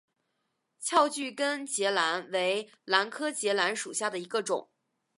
翘距根节兰为兰科节兰属下的一个种。